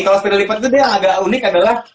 kalau sepeda lipat itu dia yang agak unik adalah